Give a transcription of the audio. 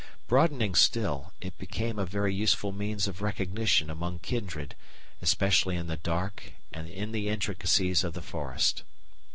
Broadening still, it became a very useful means of recognition among kindred, especially in the dark and in the intricacies of the forest.